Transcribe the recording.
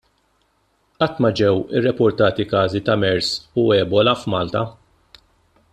Qatt ma ġew irrappurtati każi ta' Mers u Ebola f'Malta.